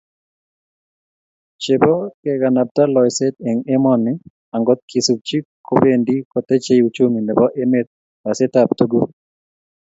Chebo kekanapta loiseet emg emoni angot kesupchi kobendi kotechei uchumi nebo emet loiseetab tuguuk